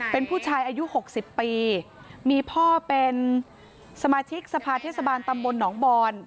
เป็นผู้ชายอายุ๖๐ปีมีพ่อเป็นสมาชิกสภาเทศบาลตำบลหนองบอน